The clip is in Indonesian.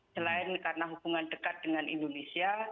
selain karena hubungan dekat dengan indonesia